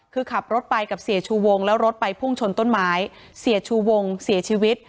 คือขับรถไปกับเสียชูวงแล้วรถไปพุ่งชนต้นไม้เสียชูวงเสียชีวิต